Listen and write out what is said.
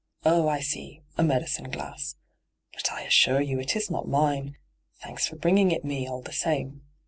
' Oh, I see— a medicine glass. But I assure you it is not mine. Thanks for bringing it me, all the same.'